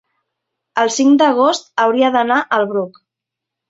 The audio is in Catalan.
el cinc d'agost hauria d'anar al Bruc.